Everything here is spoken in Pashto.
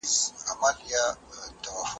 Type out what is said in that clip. د بدن بوی د باکتریاوو اغېز هم لري.